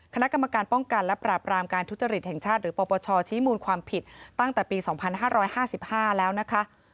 คณะกรรมการป้องกันและปราบรามการทุจริตแห่งชาติหรือปปชชี้มูลความผิดตั้งแต่ปี๒๕๕๕แล้วนะคะ